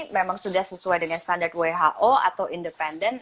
memang sudah sesuai dengan standar who atau independen